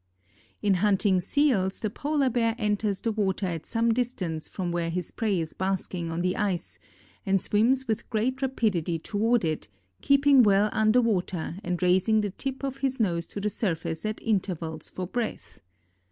In hunting seals the Polar Bear enters the water at some distance from where his prey is basking on the ice and swims with great rapidity toward it, keeping well under water and raising the tip of his nose to the surface at intervals for breath.